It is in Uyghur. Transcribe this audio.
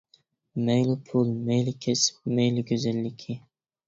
مەيلى پۇل، مەيلى، كەسپى، مەيلى گۈزەللىكى.